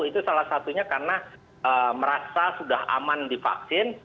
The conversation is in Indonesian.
itu salah satunya karena merasa sudah aman divaksin